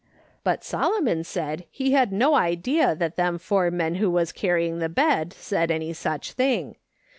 " But Solomon said he had no idea that them four men who was carrying the bed said any such thing.